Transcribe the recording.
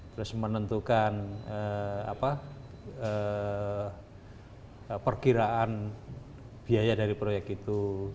terus menentukan perkiraan biaya dari proyek itu